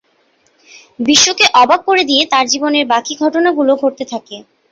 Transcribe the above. বিশ্বকে অবাক করে দিয়ে তার জীবনের বাকি ঘটনাগুলো ঘটতে থাকে।